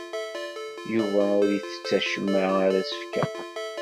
Yuba ur isett acemma ara as-fkeɣ.